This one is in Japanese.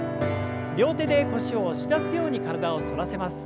両手で腰を押し出すように体を反らせます。